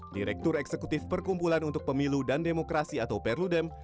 direktur eksekutif perkumpulan untuk pemilu dan demokrasi atau perludem